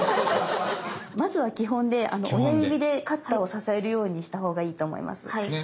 まずは基本で親指でカッターを支えるようにしたほうがいいと思います。